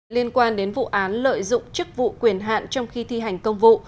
liên quan đến vụ án lợi dụng chức vụ quyền hạn trong khi thi hành công vụ